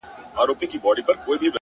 بریا له تمرکز سره مل وي,